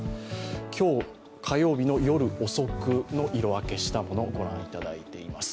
今日、火曜日の夜遅くの色分けしたものをご覧いただいています。